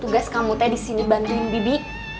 tugas kamu teh disini bantuin bibi